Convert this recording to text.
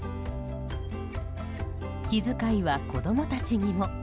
気遣いは子供たちにも。